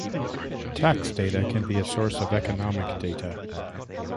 Tax data can be a source of economic data.